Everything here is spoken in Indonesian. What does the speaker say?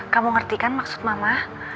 kamu ngerti kan maksud mama